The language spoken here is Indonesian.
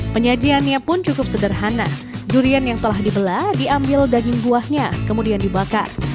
penyajiannya pun cukup sederhana durian yang telah dibelah diambil daging buahnya kemudian dibakar